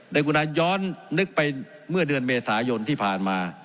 กุณาย้อนนึกไปเมื่อเดือนเมษายนที่ผ่านมา